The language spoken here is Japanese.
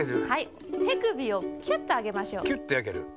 てくびをキュッとあげましょう。